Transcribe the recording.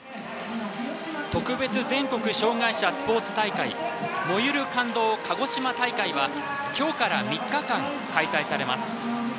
特別全国障害者スポーツ大会「燃ゆる感動かごしま大会」は今日から３日間開催されます。